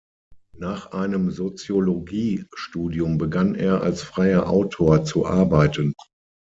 Nach einem Soziologie-Studium begann er, als freier Autor zu arbeiten.